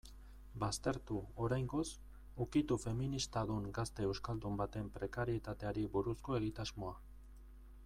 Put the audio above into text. Baztertu, oraingoz, ukitu feministadun gazte euskaldun baten prekarietateari buruzko egitasmoa.